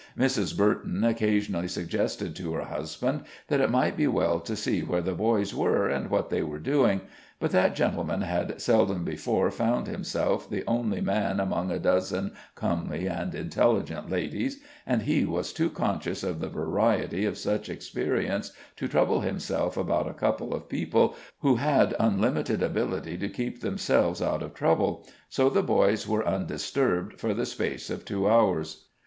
Mrs. Burton occasionally suggested to her husband that it might be well to see where the boys were, and what they were doing; but that gentleman had seldom before found himself the only man among a dozen comely and intelligent ladies, and he was too conscious of the variety of such experiences to trouble himself about a couple of people who had unlimited ability to keep themselves out of trouble; so the boys were undisturbed for the space of two hours.